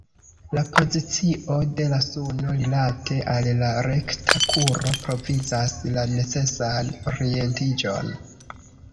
La pozicio de la suno rilate al la rekta kuro provizas la necesan orientiĝon.